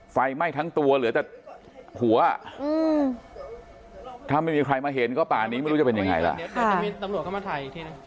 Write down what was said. ไฟไหม้ทั้งตัวเหลือแต่หัวถ้าไม่มีใครมาเห็นก็ป่านี้ไม่รู้จะเป็นยังไง